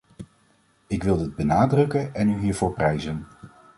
Ik wil dit benadrukken en u hiervoor prijzen.